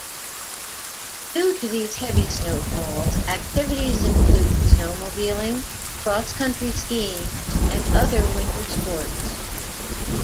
Due to these heavy snowfalls, activities include snowmobiling, Cross-country skiing and other winter sports.